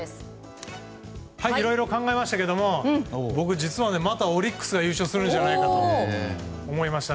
いろいろ考えましたが僕、またオリックスが優勝するんじゃないかと思いました。